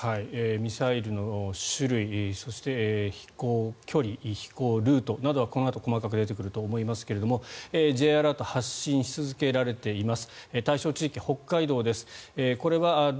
ミサイルの種類そして飛行距離、飛行ルートなどはこのあと、細かく出てくると思いますがＪアラート発信し続けられています。